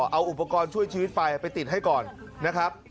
เอาอุปกรณ์ช่วยชีวิตไปไปติดให้ก่อนนะครับ